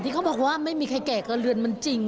เขาบอกว่าไม่มีใครแก่เกินเรือนมันจริง